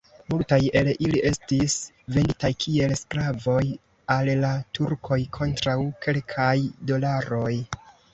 Multaj el ili estis venditaj kiel sklavoj al la turkoj kontraŭ kelkaj dolaroj.